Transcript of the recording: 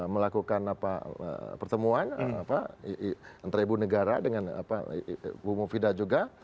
melakukan pertemuan antara ibu negara dengan bu mufidah juga